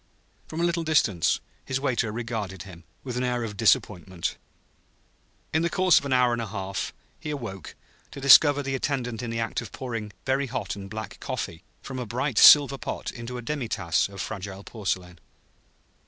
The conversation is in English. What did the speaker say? From a little distance his waiter regarded him, with an air of disappointment. In the course of an hour and a half he awoke, to discover the attendant in the act of pouring very hot and black coffee from a bright silver pot into a demi tasse of fragile porcelain.